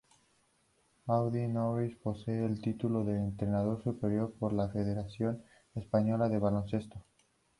Audie Norris posee el título de Entrenador Superior por la Federación Española de Baloncesto.